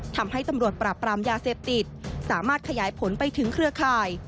ทำให้ตำรวจปราบปรามยาเสพติดสามารถขยายผลไปถึงเครือข่าย